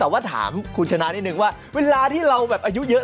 แต่ว่าถามคุณชนะนิดนึงว่าเวลาที่เราแบบอายุเยอะ